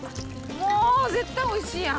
もう絶対おいしいやん。